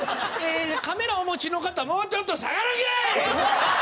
カメラお持ちの方もうちょっと下がらんかい！